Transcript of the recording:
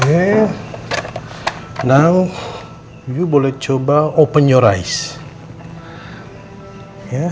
sekarang kamu bisa coba buka mata kamu